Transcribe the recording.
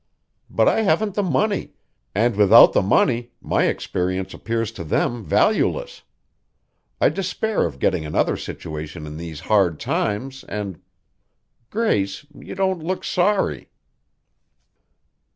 But I haven't the money, and without the money my experience appears to them valueless. I despair of getting another situation in these hard times and Grace, you don't look sorry."